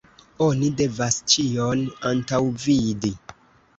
Oni devas ĉion antaŭvidi.